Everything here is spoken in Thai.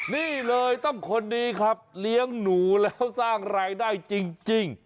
นี่เลยต้องคนนี้ครับเลี้ยงหนูแล้วสร้างรายได้จริง